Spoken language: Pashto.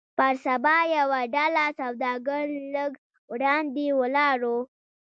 پر سبا يوه ډله سوداګر لږ وړاندې ولاړ وو.